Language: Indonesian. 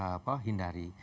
exactly yang kita harus hindari